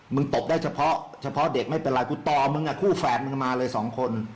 มึงตบได้เฉพาะเด็กไม่เป็นไรกูต่อคู่แฝดมึงมาเลยสองคน